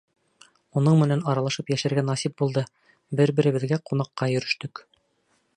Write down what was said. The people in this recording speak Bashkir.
Уның менән аралашып йәшәргә насип булды, бер-беребеҙгә ҡунаҡҡа йөрөштөк.